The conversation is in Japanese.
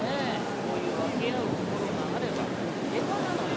こういうわけあうこころがあれば平和なのよ。